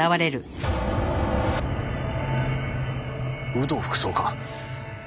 有働副総監！